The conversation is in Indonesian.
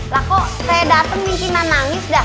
lah kok saya dateng mimpiinan nangis dah